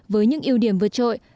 với những ưu điểm vượt trội